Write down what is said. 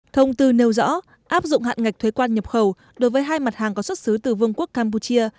thông tư nêu rõ áp dụng hạn ngạch thuế quan nhập khẩu đối với hai mặt hàng có xuất xứ từ vương quốc campuchia